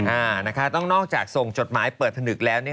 อ่านะคะต้องนอกจากส่งจดหมายเปิดถนึกแล้ว